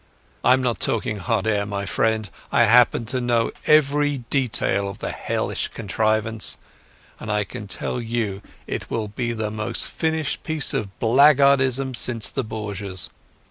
I'm not talking hot air, my friend. I happen to know every detail of the hellish contrivance, and I can tell you it will be the most finished piece of blackguardism since the Borgias.